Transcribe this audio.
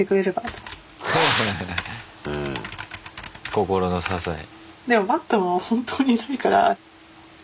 心の支え。